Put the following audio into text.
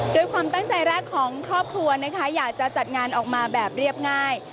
ความตั้งใจแรกของครอบครัวนะคะอยากจะจัดงานออกมาแบบเรียบง่าย